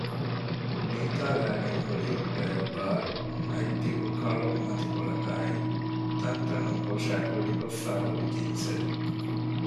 ނީތާ ލައިގެން ހުރީ ގަޔަށްބާރު އަތްދިގު ކަޅު މަތިކޮޅަކާއި ތަންތަނުން ކޮށައި ކުދިކޮށްފައި ހުރި ޖިންސެއް